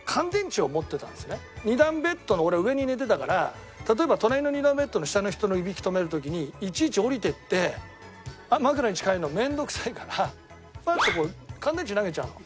２段ベッドの俺は上に寝てたから例えば隣の２段ベッドの下の人のイビキ止める時にいちいち下りていって枕に近寄るの面倒くさいからパッとこう乾電池投げちゃうの。